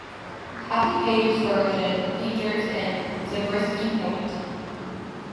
Patti Page's version features in "Zabriskie Point".